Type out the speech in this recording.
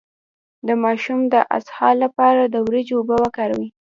د ماشوم د اسهال لپاره د وریجو اوبه ورکړئ